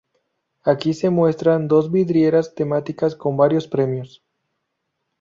Aquí se muestran dos vidrieras temáticas con varios premios.